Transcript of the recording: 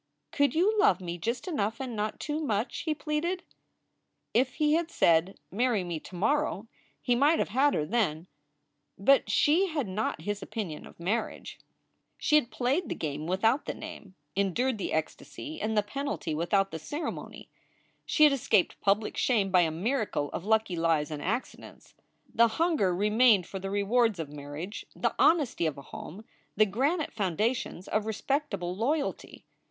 " Could you love me just enough and not too much?" he pleaded. If he had said, "Marry me to morrow!" he might have had her then. But she had not his opinion of marriage. 346 SOULS FOR SALE She had played the game without the name endured the ecstasy and the penalty without the ceremony. She had escaped public shame by a miracle of lucky lies and accidents. The hunger remained for the rewards of marriage, the hon esty of a home, the granite foundations of respectable loyalty.